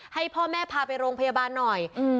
ให้พ่อแม่พาไปโรงพยาบาลหน่อย